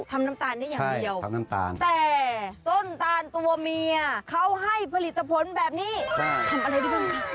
น้ำตาลได้อย่างเดียวทำน้ำตาลแต่ต้นตาลตัวเมียเขาให้ผลิตผลแบบนี้ทำอะไรได้บ้างคะ